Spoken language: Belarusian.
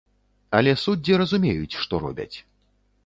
Але суддзі разумеюць, што робяць.